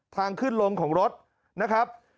ทางขึ้นลงของรถนะครับ